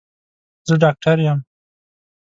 زه ډاکټر يم.